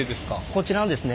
こちらのですね